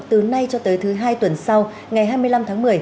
từ nay cho tới thứ hai tuần sau ngày hai mươi năm tháng một mươi